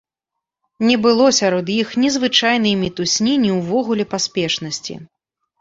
Не было сярод іх ні звычайнай мітусні, ні ўвогуле паспешнасці.